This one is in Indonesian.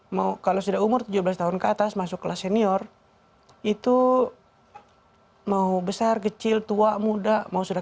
mau kalau sudah umur tujuh belas tahun ke atas masuk kelas senior itu mau besar kecil tua muda mau sudah